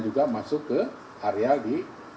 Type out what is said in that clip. juga masuk ke area di